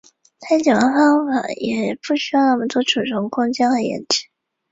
从此步入演艺界。